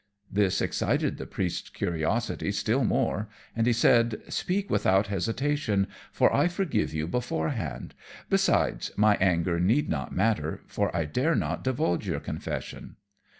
This excited the Priest's curiosity still more, and he said, "Speak without hesitation, for I forgive you beforehand; besides, my anger need not matter, for I dare not divulge your confession."